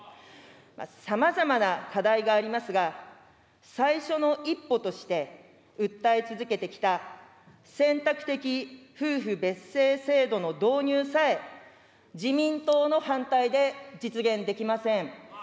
さまざまな課題がありますが、最初の一歩として訴え続けてきた選択的夫婦別姓制度の導入さえ、自民党の反対で実現できません。